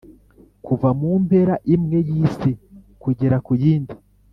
kuva ku mpera imwe y’isi kugera ku yindi,